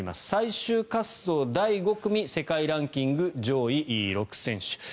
最終滑走第５組世界ランキング上位６選手。